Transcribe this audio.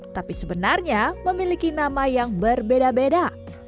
tapi sebenarnya memiliki nama yang berbeda beda